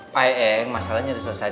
pak eng masalahnya udah selesai